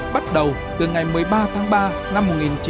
bắt đầu từ ngày một mươi ba tháng ba năm một nghìn chín trăm năm mươi bốn